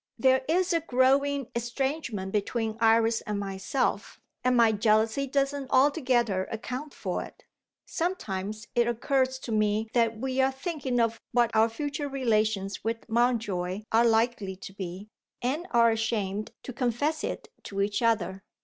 There is a growing estrangement between Iris and myself and my jealousy doesn't altogether account for it. Sometimes, it occurs to me that we are thinking of what our future relations with Mountjoy are likely to be, and are ashamed to confess it to each other.